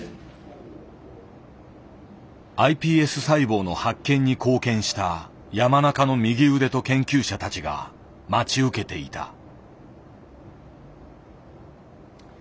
ｉＰＳ細胞の発見に貢献した山中の右腕と研究者たちが待ち受けていた。